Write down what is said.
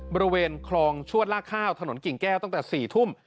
บริเวณคลองชวดลากข้าวถนนกิ่งแก้วตั้งแต่๔ทุ่ม